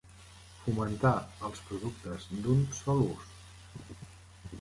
Fomentar els productes d'un sol ús.